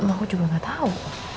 aku juga gak tahu